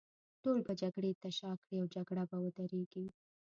ټول به جګړې ته شا کړي، او جګړه به ودرېږي.